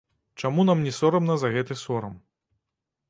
Чаму нам не сорамна за гэты сорам?